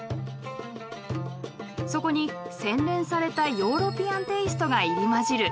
そこに洗練されたヨーロピアンテイストが入り交じる。